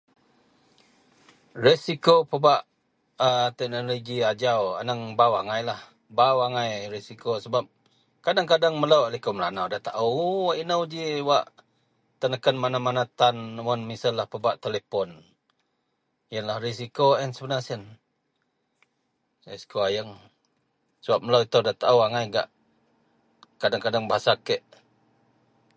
resiko pebak a teknologi ajau anang baau agailah, baau agai resiko sebab kadang-kadang melou a liko melanau da taaooo wak inou ji wak teneken, mana-mana tan mun misel lah pebak telepon ien lah resiko a ien sebenar sien , resiko ayeng sebab melou itou da taao agai gak kadang-kadang bahasa kek